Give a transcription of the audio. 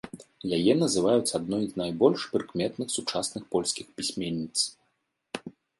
Яе называюць адной з найбольш прыкметных сучасных польскіх пісьменніц.